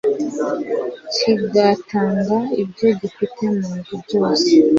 kigatanga ibyo gifite mu nzu byose